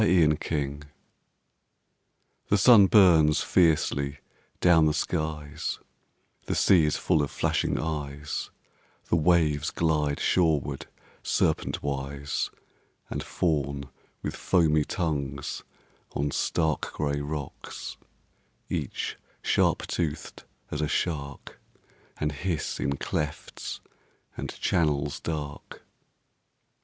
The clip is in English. A PICTURE THE sun burns fiercely down the skies ; The sea is full of flashing eyes ; The waves glide shoreward serpentwise And fawn with foamy tongues on stark Gray rocks, each sharp toothed as a shark, And hiss in clefts and channels dark.